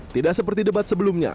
tidak seperti debat sebelumnya